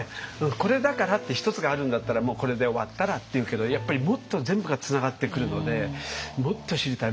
これだからって一つがあるんだったらもうこれで終わったらっていうけどやっぱりもっと全部がつながってくるのでもっと知りたい。